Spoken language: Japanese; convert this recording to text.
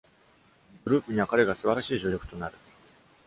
グループには彼が素晴らしい助力となる。